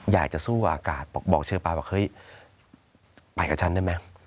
อยากจะสู้อากาศบอกเชื้อปลาบอกเฮ้ยไปกับฉันได้ไหม